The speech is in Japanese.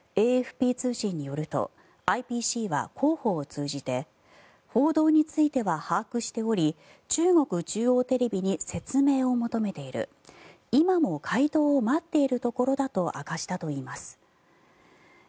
ＡＦＰ通信によるとＩＰＣは広報を通じて報道については把握しており中国中央テレビに説明を求めている今も回答を待っているところだと明かしたといいます。